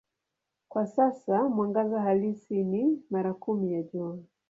Kwa sasa mwangaza halisi ni mara kumi ya Jua.